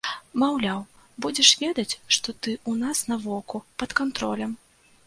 Маўляў, будзеш ведаць, што ты ў нас на воку, пад кантролем.